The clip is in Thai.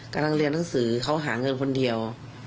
กำลังเรียนหนังสือเขาหาเงินคนเดียว